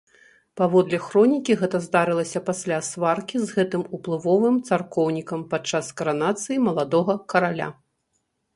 Паводле хронікі, гэта здарылася пасля сваркі з гэтым уплывовым царкоўнікам падчас каранацыі маладога караля.